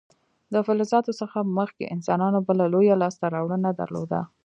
د فلزاتو څخه مخکې انسانانو بله لویه لاسته راوړنه درلوده.